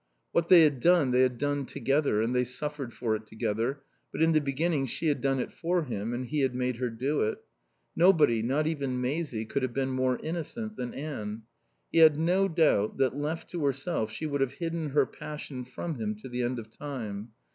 What they had done they had done together, and they suffered for it together, but in the beginning she had done it for him, and he had made her do it. Nobody, not even Maisie, could have been more innocent than Anne. He had no doubt that, left to herself, she would have hidden her passion from him to the end of time.